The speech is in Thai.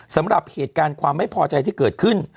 สำหรับเหตุการณ์ความไม่พอใจที่เกิดขึ้น